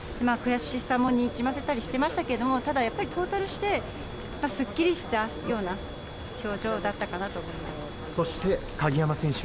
悔しさもにじませたりしてましたけど、ただやっぱりトータルしてすっきりしたような表情だったかなと思います。